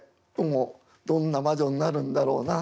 もうどんな魔女になるんだろうな？